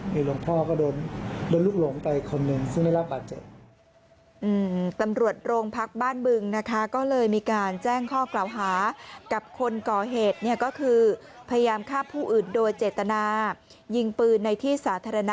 มีหลวงพ่อก็โดนลุกหลงไปคนหนึ่งซึ่งได้รับบัตร